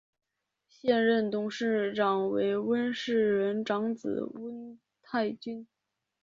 现任董事长为温世仁长子温泰钧。